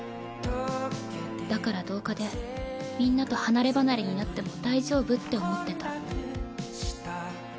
だから同化でみんなと離れ離れになっても大丈夫って思ってた。